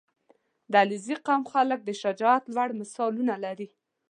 • د علیزي قوم خلک د شجاعت لوړ مثالونه لري.